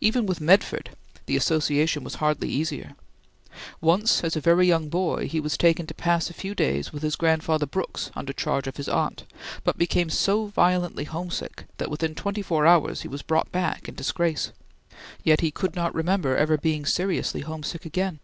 Even with Medford, the association was hardly easier. Once as a very young boy he was taken to pass a few days with his grandfather Brooks under charge of his aunt, but became so violently homesick that within twenty four hours he was brought back in disgrace. Yet he could not remember ever being seriously homesick again.